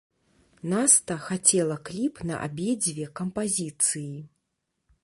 Наста хацела кліп на абедзве кампазіцыі.